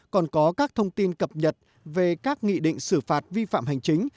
còn có các thông tin cập nhật về các nghị định xử phạt vi phạm hành chính